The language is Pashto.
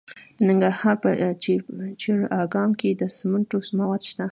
د ننګرهار په پچیر اګام کې د سمنټو مواد شته.